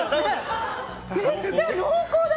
めっちゃ濃厚だ！